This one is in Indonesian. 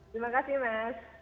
terima kasih mas